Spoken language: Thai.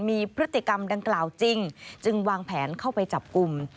มีพฤติกรรมดังกล่าวจริงจึงวางแผนเข้าไปจับกลุ่ม